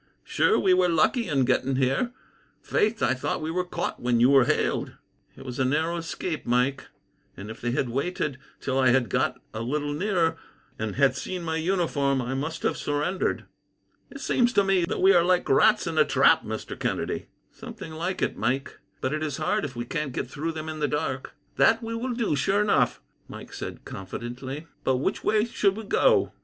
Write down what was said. Sure we were lucky in getting here. Faith, I thought we were caught when you were hailed." "It was a narrow escape, Mike; and if they had waited till I had got a little nearer, and had seen my uniform, I must have surrendered." "It seems to me that we are like rats in a trap, Mr. Kennedy." "Something like it, Mike; but it is hard if we can't get through them, in the dark." "That we will do, sure enough," Mike said confidently; "but which way should we go?"